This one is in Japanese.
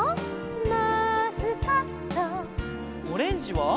「マスカット」「オレンジは」